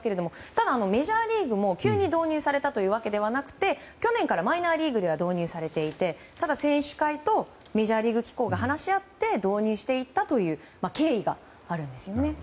ただ、メジャーリーグも急に導入されたというわけではなくて去年からマイナーリーグでは導入されていてただ、選手会とメジャーリーグ機構が話し合って導入していったという経緯があるんですね。